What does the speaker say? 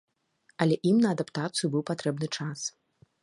Але ім на адаптацыю быў патрэбны час.